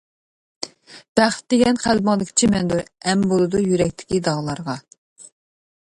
بەخت دېگەن قەلبىڭدىكى چىمەندۇر، ئەم بولىدۇ يۈرەكتىكى داغلارغا.